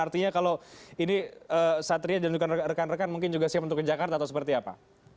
artinya kalau ini satria dan rekan rekan mungkin juga siap untuk ke jakarta atau seperti apa